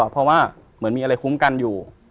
เพราะว่าเหมือนมีอะไรคุ้มกันอยู่